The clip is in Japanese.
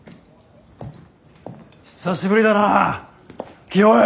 久しぶりだな清恵。